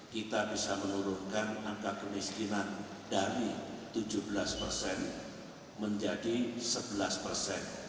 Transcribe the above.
kita bisa menurunkan angka kemiskinan dari tujuh belas persen menjadi sebelas persen